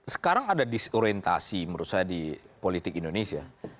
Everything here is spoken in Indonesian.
sekarang ada disorientasi menurut saya di politik indonesia